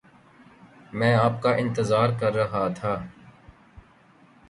میں آپ کا انتظار کر رہا تھا۔